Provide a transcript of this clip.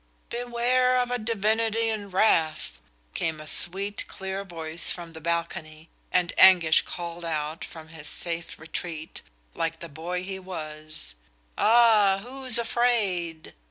"Beware of a divinity in wrath," came a sweet, clear voice from the balcony, and Anguish called out from his safe retreat, like the boy he was: "Ah, who's afraid!"